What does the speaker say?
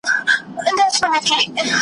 د سیتار تارونه پرې دي د رباب لړمون ختلی .